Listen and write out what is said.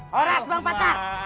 horas bang batara